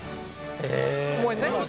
え。